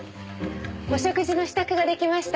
お食事の支度が出来ました。